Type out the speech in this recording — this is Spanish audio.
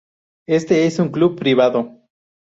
Este es un club privado.